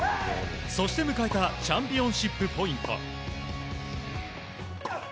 そして、迎えたチャンピオンシップポイント。